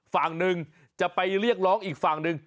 ฝั่งหนึ่งจะไปเรียกร้องอีกฝั่งหนึ่ง